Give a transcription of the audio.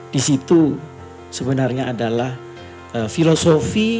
di situ sebenarnya adalah filosofi